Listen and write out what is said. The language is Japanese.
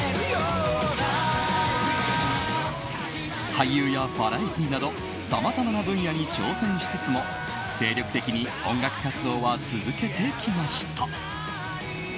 俳優やバラエティーなどさまざまな分野に挑戦しつつも精力的に音楽活動は続けてきました。